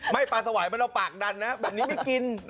ปลาสวายมันเอาปากดันนะแบบนี้ไม่กิน